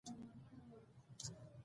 ګاز د افغانستان د اجتماعي جوړښت برخه ده.